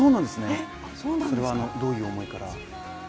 それはどういう思いから？